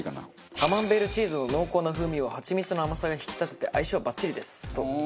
カマンベールチーズの濃厚な風味をハチミツの甘さが引き立てて相性バッチリです！と。